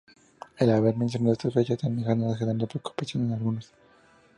El haber mencionado esta fecha tan lejana ha generado preocupación en algunos.